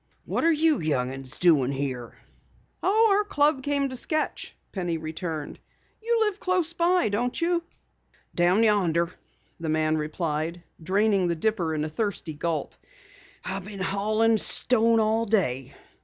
"What are you young 'uns doing here?" "Oh, our club came to sketch," Penny returned. "You live close by, don't you?" "Down yonder," the man replied, draining the dipper in a thirsty gulp. "I been haulin' stone all day.